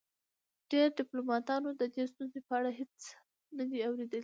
ډیری پیلوټانو د دې ستونزو په اړه هیڅ نه دي اوریدلي